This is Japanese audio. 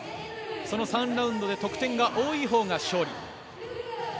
その３ラウンドで得点が多いほうが勝利。